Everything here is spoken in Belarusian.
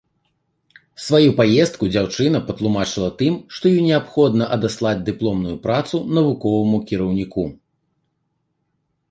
Сваю паездку дзяўчына патлумачыла тым, што ёй неабходна адаслаць дыпломную працу навуковаму кіраўніку.